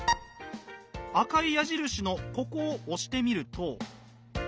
赤い矢印のここを押してみると。